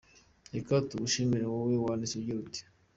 Reka tugushimire wowe wanditse ugira uti :